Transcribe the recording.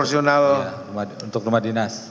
fungsional untuk rumah dinas